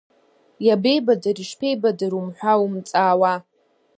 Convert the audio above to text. Иабеибадыр, ишԥеибадыр ҳәа умҵаауа!